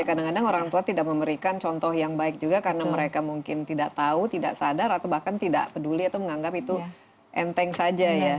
kadang kadang orang tua tidak memberikan contoh yang baik juga karena mereka mungkin tidak tahu tidak sadar atau bahkan tidak peduli atau menganggap itu enteng saja ya